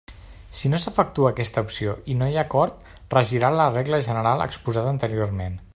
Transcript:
Si no s'efectua aquesta opció i no hi ha acord regirà la regla general exposada anteriorment.